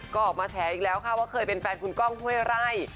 ก็ออกมาแฉอีกแล้วค่ะว่าเคยเป็นแฟนคุณก้องห้วยไร่